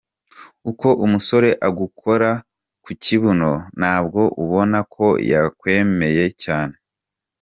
Uko umusore agukora kukibuno nabwo ubona ko yakwemeye cyane.